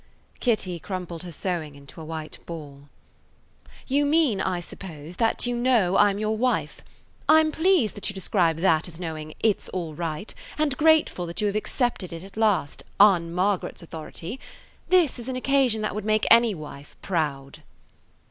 Kitty crumpled her sewing into a white ball. "You mean, I suppose, that you know I 'm your wife. I 'm pleased that you describe that as knowing 'it 's all right,' and grateful that you have accepted it at last–on Margaret's authority. This is an occasion that would make any wife proud."